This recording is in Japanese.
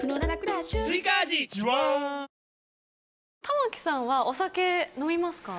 玉木さんはお酒飲みますか？